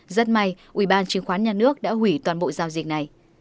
rất may ubnd đã hủy toàn bộ giao dịch này